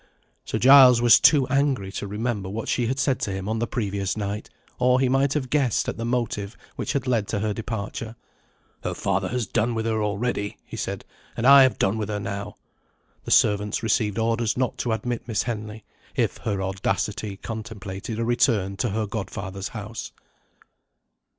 Sir Giles was too angry to remember what she had said to him on the previous night, or he might have guessed at the motive which had led to her departure. "Her father has done with her already," he said; "and I have done with her now." The servants received orders not to admit Miss Henley, if her audacity contemplated a return to her godfather's house.